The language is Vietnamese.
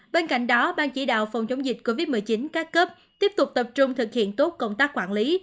bên cạnh đó ban chỉ đạo phòng chống dịch covid một mươi chín các cấp tiếp tục tập trung thực hiện tốt công tác quản lý